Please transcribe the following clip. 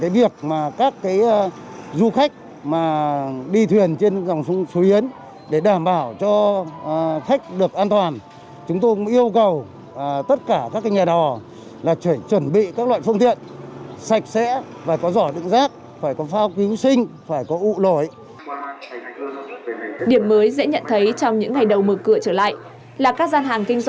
điểm mới dễ nhận thấy trong những ngày đầu mở cửa trở lại là các gian hàng kinh doanh